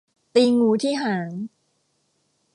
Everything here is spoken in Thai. ตีงูที่หาง